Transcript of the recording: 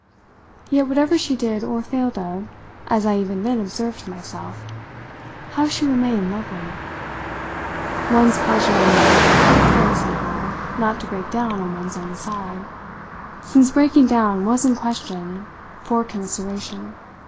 Yet whatever she did or failed of, as I even then observed to myself, how she remained lovely! One's pleasure in that helped one somehow not to break down on one's own side since breaking down was in question for commiseration.